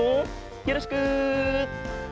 よろしく。